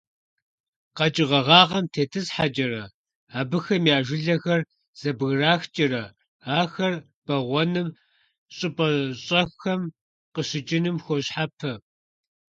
КъэкӀыгъэ гъэгъам тетӀысхьэкӀэрэ, абыхэм я жылэхэр зэбграхкӀэрэ ахэр бэгъуэным, щӀыпӀэщӀэхэм къыщыкӀыным хуощхьэпэ.